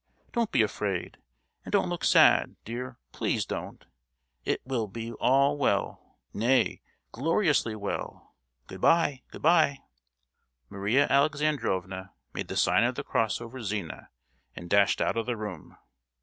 Don't be afraid, and don't look sad, dear; please don't! It will be all well, nay, gloriously well! Good bye, good bye!" Maria Alexandrovna made the sign of the Cross over Zina, and dashed out of the room.